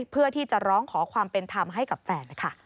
เพื่อที่จะร้องขอความเป็นธรรมให้กับแฟนนะคะ